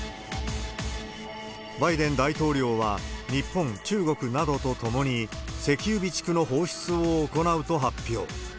バイデン大統領は、日本、中国などと共に、石油備蓄の放出を行うと発表。